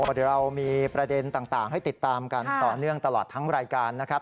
เดี๋ยวเรามีประเด็นต่างให้ติดตามกันต่อเนื่องตลอดทั้งรายการนะครับ